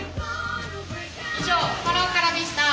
以上パラオからでした！